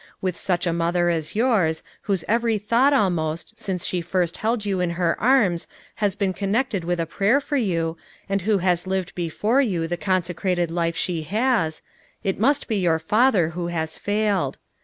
With such a mother as yours, whose every thought almost, since she first held you in her arms lias been connected with a prayer for you, and who has lived before you the consecrated life she has, — it must be your father who has failed.